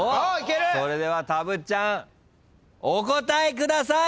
それではたぶっちゃんお答えください。